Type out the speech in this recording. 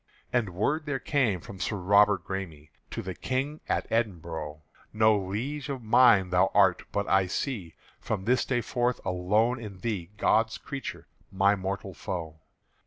And word there came from Sir Robert Græme To the King at Edinbro': "No Liege of mine thou art; but I see From this day forth alone in thee God's creature, my mortal foe.